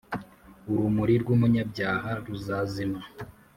urumuri rwumunyabyaha ruzazima